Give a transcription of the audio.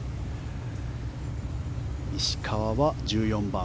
石川は１４番。